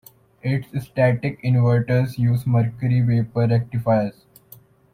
Its static inverters use mercury vapour rectifiers.